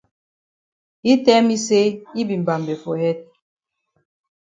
Yi tell me say yi be mbambe for head.